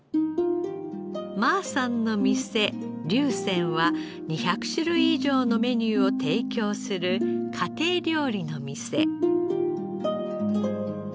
馬さんの店龍仙は２００種類以上のメニューを提供する家庭料理の店。